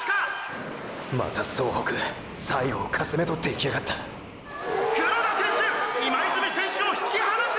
また総北最後をかすめとっていきやがった「黒田選手今泉選手を引き離す！！